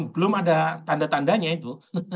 belum ada tanda tandanya itu